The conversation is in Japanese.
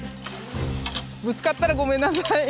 ぶつかったらごめんなさい。